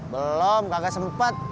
belom kagak sempet